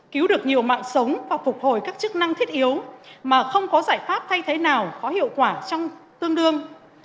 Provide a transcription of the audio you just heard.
cứu được nhiều mạng sống và phục hồi các chức năng thiết yếu mà không có giải pháp thay thế nào có hiệu quả trong tương đương